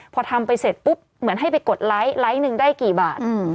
พอทำไปเสร็จปุ๊บเหมือนให้ไปกดไลค์ไลค์หนึ่งได้กี่บาท